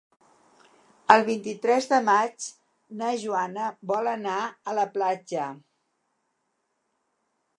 El vint-i-tres de maig na Joana vol anar a la platja.